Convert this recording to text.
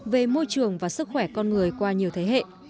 về môi trường và sức khỏe con người qua nhiều thế hệ